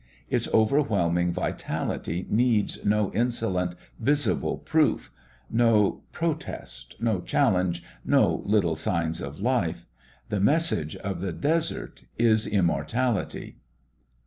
Its overwhelming vitality needs no insolent, visible proof, no protest, no challenge, no little signs of life. The message of the desert is immortality....